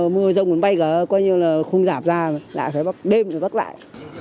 mưa rông cuốn bay cả coi như là không giảm ra lại phải bắt đêm thì bắt lại